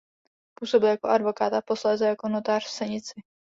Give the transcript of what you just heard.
Působil jako advokát a posléze jako notář v Senici.